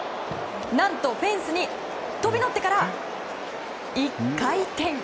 何とフェンスに飛び乗ってから１回転！